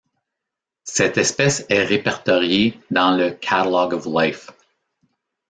Cette espèce est répertoriée dans le Catalogue of Life.